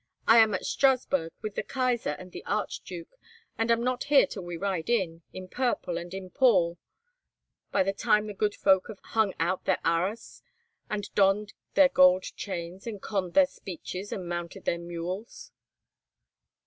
I am at Strasburg, with the Kaisar and the Archduke, and am not here till we ride in, in purple and in pall by the time the good folk have hung out their arras, and donned their gold chains, and conned their speeches, and mounted their mules."